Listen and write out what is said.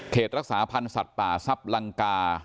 รักษาพันธ์สัตว์ป่าซับลังกา